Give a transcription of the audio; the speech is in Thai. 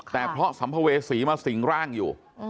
แต่เพราะสัมภเวษีมาสิงร่างอยู่